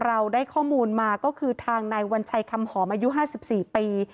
เราได้ข้อมูลมาก็คือทางนายวัญชัยคำหอมอายุ๕๔ปี